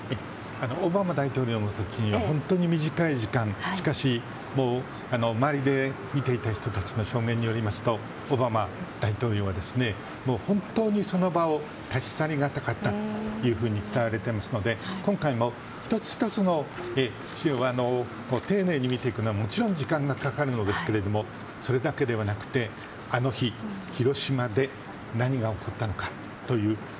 オバマ大統領の時は本当に短い時間しかし、周りで見ていた人たちの証言によりますとオバマ大統領は本当にその場を立ち去りがたかったと伝えられていますので今回も１つ１つを丁寧に見ていくのはもちろん時間がかかるんですがそれだけではなくてあの日、広島で何が起こったのかという